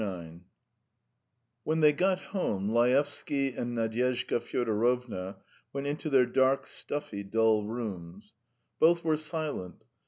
IX When they got home, Laevsky and Nadyezhda Fyodorovna went into their dark, stuffy, dull rooms. Both were silent.